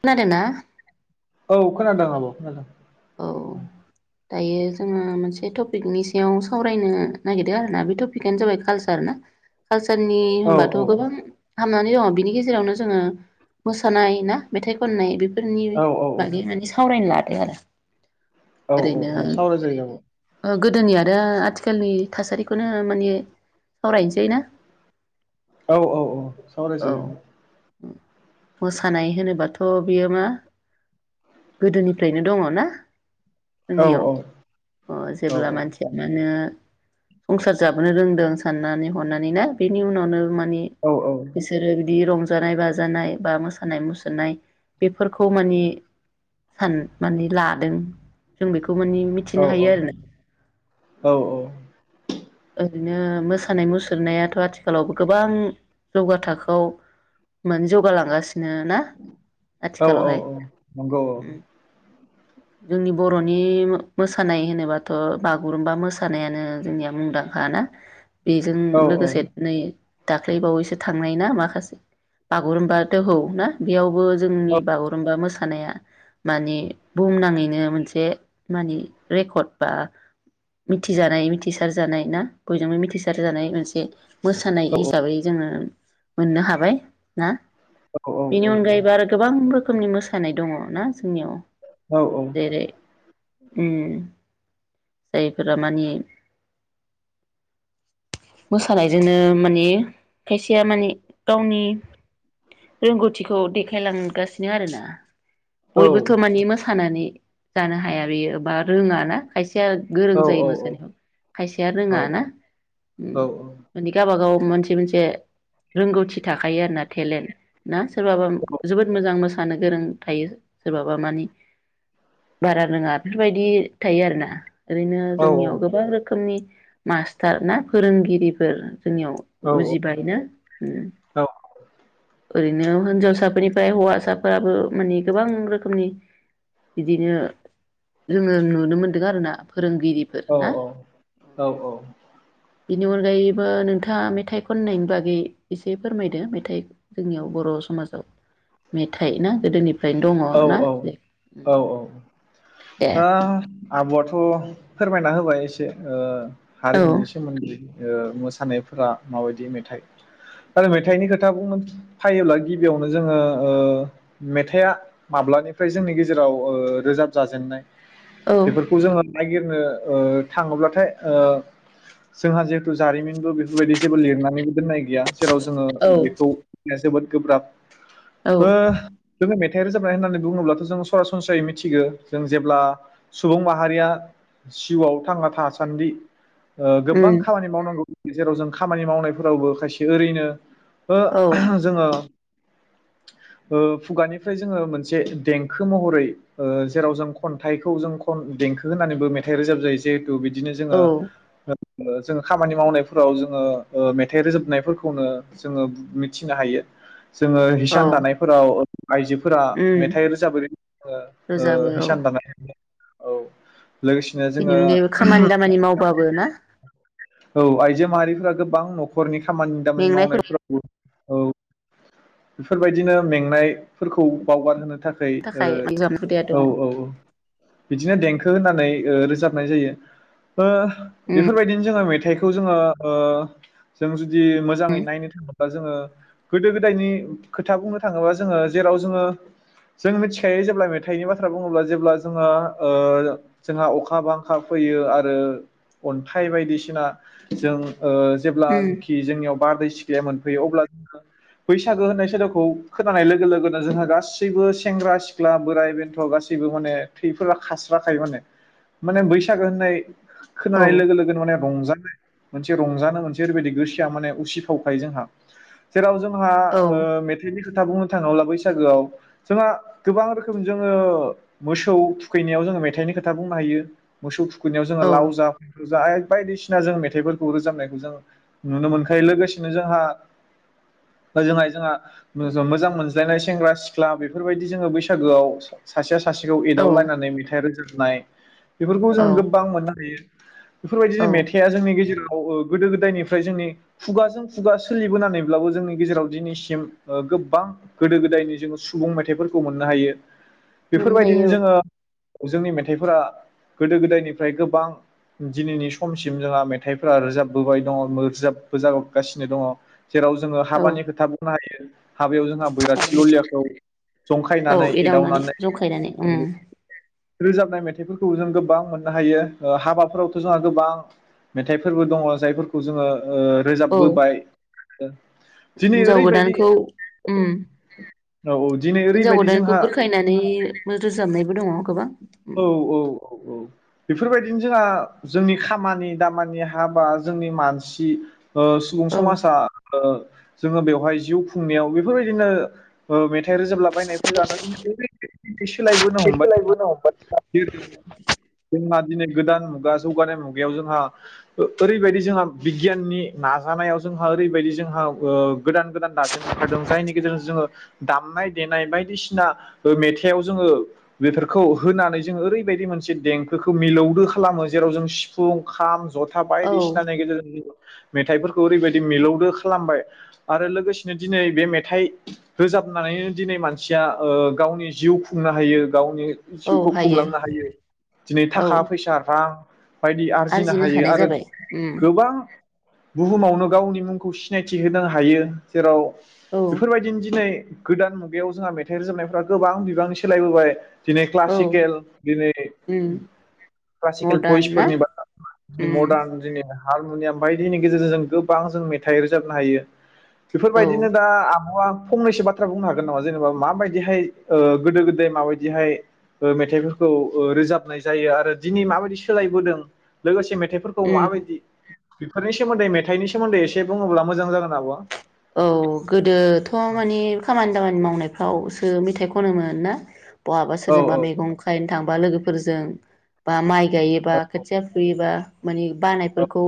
खोनादों ना? औ खोनादों आब खोनादों। [inaudible] दायो जोङो मोनसे टपिकनि सायाव सावरायनो नागिरदों आरोना बे टपिकआनो जाबाय कालसार ना कालसारनि औ होनबाथ गोबां हामनानै दङ बिनि गेजेरावनो जोङो मोसानाय ना मेथाइ खननाय बेफोर फोरनि औ औ बागै माने सावरायनो ला [unintelligible] औ औ औ सावराय जायो औ । गोदोनि आरो आथिखालनि थासारिखौनो माने सावरायनोसै ना? औ औ औ सावरायजायो औ । मोसानाय होनोबाथ बियो मा गोदोनिफ्रायनो दङ ना । आब' जोंनियाव औ अ औ जेब्ला मानसिया मानो संसार जाबोनो रोंदों साननानै हनानै ना? बेनि उनावनो माने औ औ बिसोरो बिदि रं रंजानाय बाजानाय बा मोसानाय मुसुरनाय बेफोरखौ माने सान माने ला दों जों बेखौ मानि औ मिथिनो हायो आरो ना । औ ओरैनो मोसानाय मुसुरनायाथ आथिखालावबो गोबां जौगा थाखोआव मोन जौगा लांगासिनो बिनो ना औ आथिखालावहाय । औ नंगौ औ जोंनि बरनि मोसानाय होनोबाथ बागुरुमबा मोसानायानो जोंनिया मुंदांखा हाना बेजों औ लोगोसे नै दाख्लैबावैसो थांनाय ना माखासे बागुरुम्बा दोहौ ना बेयावबो औ जोंनि बागुरुम्बा मोसानाया माने बुहुमनाङैनो मोनसे मानि रेकर्ड बा मिथिजानाय मिथिसार जानाय ना बयजोंबो मिथिसार जानाय । मोनसे मोसानाय औ हिसाबै जोङो मोननो हाबाय ना औ । बेनि अनगायैबो आरो गोबांबो रोखोमनि मोसानाय दङ ना जोंनिआव, औ जेरै उम जायफोरा मानि मोसानायजोंनो माने खायसेया माने गावनि रोंगौथिखौ देखायलांगासिनो आरोना । बयबोथ माने मोसानानै जानो हाया बेयो बा रोङा ना, खायसे गोरों जायो मोसानायाव खायसे रोङा ना उम माने गाबा गाव मोनसे मोनसे रोंगौथि थाखायो आरो ना थेलेन्ट ना? सोरबाबा जोबोद मोजां मोसा मोसानो गोरों थायो सोरबाबा मानि बारा रोङा बेफोरबायदि थायो आरो ना। ओरैनो जोंनियाव गोबां रोखोमनि मास्टार ना फोरोंगिरिफोर जोंनियाव उजिबायनो ओम ओरैनो होनजावसाफोरनिफाय हौवासाफोराबो माने गोबां रोखोमनि बिदिनो जोङो नुनो मोनदों आरोना फोरोंगिरिफोर ना औ औ बिनि अनगायैबो नोंथाङा मेथाइ खननायनि बागै एसे फोरमायदो मेथाइ जोंनियाव बर समाजाव मेथाइ ना गोदोनि औ औ औ औ ओ आब'आथ फोरमायना होबाय एसे ओ औ हारिमुनि सोमोन्दै ओ मोसानायफोरा माबायदि मेथाइ आरो मेथाइनि खोथा बुंनो फायोब्ला गिबियावनो जोङो ओ मेथाइआ माब्लानिफ्राय जोंनि गेजेराव ओ रोजाब जाजेननाय? औ बेफोरखौ जोङो नायगिरनो ओ थाङोब्लाथाय ओ जोंहा जिहेथु जारिमिनबो बेफोरबायदि जेबो लिरनानैबो दोननाय गैया जेराव जोङो औ बेखौ जोबोद गोब्राब औ ओ जोङो मेथा थाइ रोजाब नाय होननानै बुङोब्लाथ जों सरासनस्रायै मिथिगो जों जेब्ला सुबुं माहारिया जिउआव थांना थासान्दि ओ गोबां उम खामानि मावनांगौ जेराव जों खामानि मावनायफोरावबो खायसे ओरैनो ओ औ [unintelligible] जोङो ओ खुगानिफ्राय जोङो मोनसे देंखो महरै ओ जेराव जों खन्थाइखौ जों खन देंखो होनानैबो मेथाइ रोजाब जायो जे बिदिनो जोङो औ ओ जोङो खामानि मावनायफोराव जोङो ओ मेथाइ रोजाबनायफोरखौनो जोङो बु मिथिनो हायो। जोङो औ हिसान दानायफोराव आइजो फोरा उम मेथाइ रोजाब [unintelligible] ओ रोजाबो औ हिसान दानाय औ लोगोसेनो जोङो बेनि अनगायैबो खामानि दामानि मावबाबो ना औ आइजो माहारिफोरा गोबां नखरनि खामानि दामानि मेंनायफोरनि मावनायफ्रावबो औ बेफोरबायदिनो मेंनाय फोरखौ बावगार होनो थाखाय रोजाबनाय हुदाया औ दङ औ औ बिदिनो देंखो होनानै रोजाब उम बेफोरबायदिनो जोङो मेथाइखौ जोङो जों जुदि मोजाङै नायनो थाङोब्ला जोङो गोदो गोदायनि खोथा बुंनो थाङोबा जोङो जेराव जोङो जों मिथिखायो जेब्ला मेथाइनि बाथ्रा बुङोब्ला जेब्ला जोङो ओ जोंहा अखा बांखा फैयो आरो अन्थाइ बायदिसिना जों उम जेब्लानाखि जोंनियाव बारदै सिख मोनफैयो अब्ला जोङो बैसागो होननाय सोदोबखौ खोनानाय लोगो लोगो लोगोनो जोंहा गासैबो सेंग्रा सिख्ला बोराइ बेन्थ गासैबो माने थैफोरा खारास्राखायो माने माने बैसागो होननाय औ खोनानाय लोगो लोगोनो माने रंजान मोनसे रंजानो मोनसे ओरैबायदि गोसोया माने उसिफावखायो जोंहा जेराव जों नोंथाङा मेथाइनि खोथा बुं भुटानाव ला बैसागोआव जोंहा गोबां रोखोम जोङो मोसौ थुखैनायाव जोङो मेथाइनि खोथा बुंनो हायो मोसौ थुखै थुखैनायाव जोङो लाव औ जा फान्थाव जा बायदिसिना जों मेथाइफोरखौ रोजाबनायखौ जों नुनो मोनखायो लोगोसेनो जोंहा जोंहा जोंहा मोजां मोनज्लायनाय सेंग्रा सिख्ला बेफोरबायदि जोङो बैसागो सासेया सासेखौ औ एदाव लनायनानै मेथाइ रोजोब नाय बेफोरखौ जों औ गोबां मोननो हायो औ बेफोरबायदिनो मेथाइआ जोंनि गेजेराव गोदो गोदायनिफ्राय जोंनि खुगाजों खुगा सोलिबोनानैब्लाबो जोंनि गेजेराव दिनैसिम गोबां गोदो गोदायनि जोङो सुबुं मेथाइफोरखौ मोननो हायो मोननो बेफोरबायदिनो हायो जोङो जोंनि मेथाइ मेथाइफोरा गोदो गोदायनिफ्राय गोबां दिनैनि समसिम जोंहा मेथाइफोरा रोजाबबोबाय दङ रोजाबगासिनो दङ जेराव जोङो औ औ हाबानि खोथा बुंनो हायो हाबायाव जोंहा बैराथि थारैनो ललियाखौ औ जंखायनानै एदावनानै जंखायनानै उम रोजाबनाय मेथाइ मेथाइफोरखौ जों गोबां मोननो हायो हाबाफोरावथ जोंहा गोबां मेथाइफोरबो दङ जायफोरखौ जोङो रोजाबबोबाय [inaudible] दिनै हिन्जाव ओरैबायदि गोदानखौ औ औ दिनै हिनजाव ओरैबायदि गोदानखौ जोंहा बुरखायनानै रोजाबनायबो दङ गोबां उम औ औ औ औ बेफोरबायदिनो जोंहा जोंनि खामानि दामानि हाबा जोंनि मानसि ओ सुबुं औ समाजा ओ जोङो बेवहाय जिउ खुंनायाव बेफोरबायदिनो ओ मेथाइ थाइ‌‌ रोजाबलाबायनायफोरानो [inaudible] सोलायबोनो हमबाय [unintelligible] दिनै गोदान मुगा जौगानाय मुगायाव जोंहा ओ ओरैबायदि जोंहा बिगियाननि नाजानायाव जोंहा ओरैबायदि जोंहा ओ गोदान गोदान दाजेम ओंखारदों जायनि गेजेरजों जोङो दामनाय देनाय बायदिसिना ओ मेथायाव जोंङो बेफोर खौ होनानै जों ओरैबायदि मोनसे देंखोखौ मिलौदो खालामो जेराव जों सिफुं खाम जथा औ बायदिसिनानि गेजेरजों मेथाइफोरखौ ओरैबायदि मिलौदो खालामबाय आरो लोगोसेनो दिनै बे मेथाइ रोजाबनानैनो दिनै मानसिया ओ गावनि जिउ खुंनो हायो गावनि जिउखौ खुंलांनो हायो दिनै औ थाखा फैसा रां बायदि आरजिनो हायो हानाय आरो जाबाय उम गोबां बुहुमावनो गावनि मुंखौ सि सिनायथि होनो हायो जेराव औ बेफोरबायदिनो दिनै गोदान मुगायाव जोंहा मेथाइ रोजाबनायफ्रा गोबां बिबांनि सोलायबोबाय दिनै औ क्लासिकेल दिनै उम क्लासिकेल मदार्न ना भइसफोरनि बा उम मडार्न जोंनिया हारमुनियाम बायदिनि गेजेरजों गोबां जों मेथाइ रोजाबनो हायो ‌ औ बेफोरबायदिनो दा आब' आ फंनैसो बाथ्रा बुंनो हागोन नामा जेनेबा माबायदिहाय ओ गोदो-गोदाय माबायदि बिदिहाय ओ‌ मेथाइफोरखौ ओ रोजाबनाय जायो आरो दिनै माबायदि सोलायबोदों लोगोसे मे बेफोरखौ उम माबायदि बेफोरनि सोमोन्दै मेथाइनि सोमोन्दै एसे बुङोब्ला मोजां जागोन आब'आ । औ गोदोथ' माने खामानि दामानि मावनो फ्रावसो मेथाइ खनोमोन ना? बहाबा औ सोरजोंबा मैगं खाहैनो थां बा लोगोफोरजों बा माइ गायोबा खोथिया फुयोबा । माने बानायफोरखौ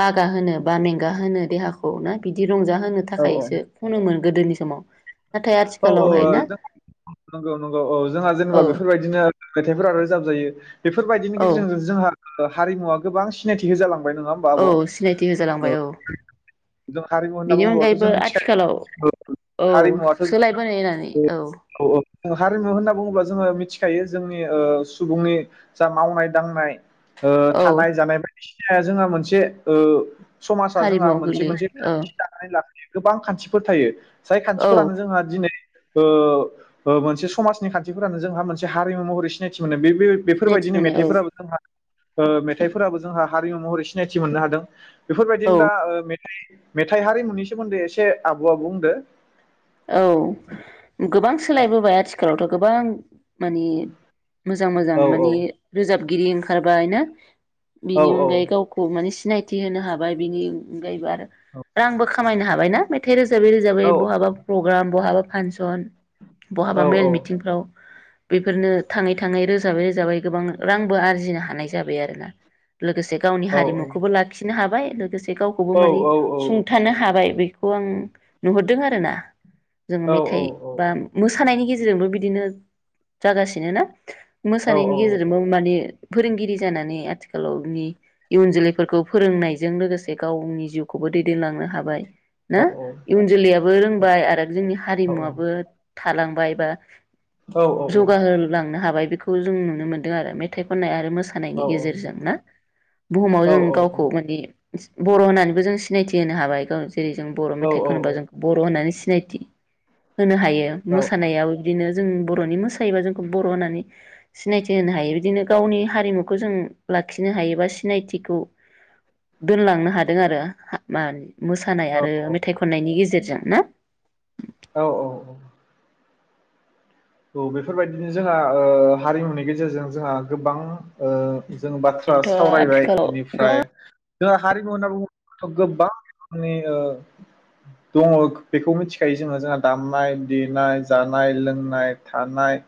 बागा होनो बा मेंगा होनो देहाखौ ना बिदि रंजा होनो औ थाखायसो फुनोमोन गोदोनि समाव नाथाय औ औ ओ आथिखालावहाय ना जों नंगौ नंगौ औ जोंहा जेनेबा औ बेफोरबायदिनो मेथाइफोरा रोजाब जायो बेफो बेफोरबायदिनि औ गेजेरजों जोंहा हारिमुवा गोबां सिनायथि होजाला औ सिनायथि होजालांबाय औ। जों हारिमु होनना बेनि बुङोब्लाथ' अनगायैबो जों मिथिखायो आथिखालाव औ हारिमुवाथ' सोलायबोनाय होननानै औ। हारिमु होनना बुङोब्ला जोङो मिथिखायो जोंनि ओ सुबुंनि जा मावनाय दांनाय ओ औ थानाय जानाय [unintelligible] जोंहा मोनसे ओ समाजा जोंहा हारिमुआव मोन जे मोनसे गोग्लैयो थांखि औ दानानै लाना गोबां खान्थिफोर थायो। जाय औ खान्थिफोरानो जोंहा दिनै ओ ओ मोनसे समाजनि खान्थिफोरानो जोंहा मोनसे हारिमु महरै सिनायथि मोनो बे बे सिनायथि बेफोरबायदिनो मोनो औ मेथाइफोराबो जोंहा ओ मेथाइफोराबो जोंहा हारिमु महरै सिनायथि मोननो हादों। औ बेफोरबायदिनो दा ओ मे मेथाइ हारिमुनि सोमोन्दै एसे आब'आबो बुंदो। औ गोबां सोलायबोबाय आथिख आथिखालावथ' गोबां मानि मोजां मोजां औ माने रोजाब गिरि ओंखारबाय ना औ बिनि अनगायै गावखौ माने सि सिनायथि होनो हाबाय बिनि अनगायैबो आरो औ रांबो खामायनो हाबायना मेथाइ रोज रोजाबै रोजाबै औ बहाबा प्रग्राम बहाबा फानसन औ बहाबा मेल मिथिंफ्राव बेफोरनो थाङै थाङै रोजाबै रोजाबै गोबां रांबो आरजिनो हानाय जाबाय आरो ना। लोगोसे गावनि औ हारिमुखौबो लाखिनो हाब बाय लोगोसे गावखौबो माने औ सुंथानो हाबाय। बेखौ आं नुहरदों आरो ना। जोङो मेथाइ बा मोसानायनि गेजे जोंबो बिदिनो जागासिनो ना? मोसानायनि गेजेरजोंबो माने फोरोंगिरि जानानै आथिखालावनि इयुन जोलैफोरखौ फोरोंनायजों लोगोसे गावनि जिउखौबो दैदेनलांनो हाबाय ना इउन जोलैया बो रोंबाय आ जोंनि हारिमुवाबो थालांबाय बा जौगाहोलांनो हाबाय बेखौ जों नुनो मोनदों आरो मेथाइ खननाय आरो मोसा मोसानायनि गेजेरजों ना बुहुमाव जों औ गावखौ माने बर होननानैबो जों सिनायथि होनो हाबाय गाव जेरै जों बर मेथाइ खनोबा जोंखौ बर होननानै सि सिनाय थि होनो हायो मोसानायाबो बिदिनो जों बरनि मोसायोबा जोंखौ बर होननानै सिनायथि होनो हायो बिदिनो गावनि हारिमुखौ जों लाखिनो हायो बा सिनायथिखौ दोनलांनो हादों आरो [inaudible] मोसानाय आरो मेथाइ खननायनि गेजेरजों ना? औ औ औ औ बेफोरबायदिनो जोंहा ओ हारिमुनि गेजेरजों जोंहा गोबां ओ जों बाथ्रा बेथ' सावरायबाय आथिखालाव गोबां इनिफ्राय जों हारिमु होनना बुङोब्ला थ गोबां रोखोमनि ओ दङ बेखौ मिथिखायो जोङो जोंहा दामनाय देनाय जानाय लोंनाय थानाय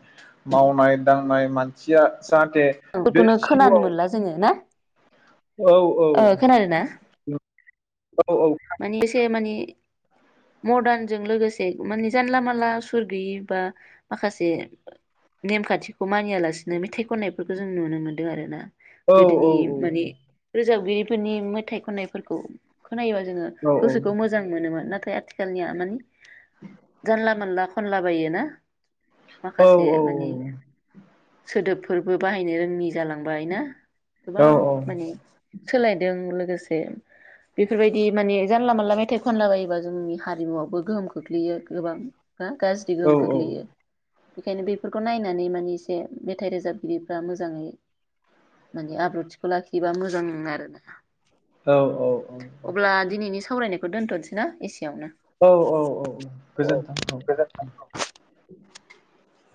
मावनाय दांनाय मानसिया जाहाथे बे [inaudible] खोनानो जिउआव मोनला जोङो ना औ ओ खोनादों ना औ मानि एसे मानि मर्दानजों लोगोसे माने जानला मानला सुर गैयि बा माखासे नेमखान्थिखौ मानियालासिनो मेथाइ खननायफोरखौ जों नुनो मोनदों आरो ना गोदोनि माने रोजाबगिरि फोरनि मेथाइ खनायफोरखौ खोनायोबा जोङो गोसोखौ मोजां मोनोमोन नाथाय आथिखालनिया माने जानला मानला खनला बायो ना औ माखासे औ औ। माने सोदोबफोरबो बाहायनो रोङि जालांबाय ना गोबां माने सोलायदों लोगोसे बेफोरबायदि माने जानला मानला मेथाइ खनला बायोबा जोंनि हारिमुवआवबो गोहोम खोख्लैयो गोबां गाज्रि औ गोहोम खोख्लैयो बेखायनो बेफोरखौ नायनानै माने एसे मेथाइ रोजाबगिरिफ्रा मोजाङै माने आब्रुथिखौ लाखियोबा मोजां आरोना। औ अब्ला दिनैनि सावरायनायखौ दोनथनोस ना एसे। औ औ औ औ गोजोन्थों। गोजोन